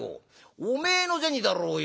お前の銭だろうよ」。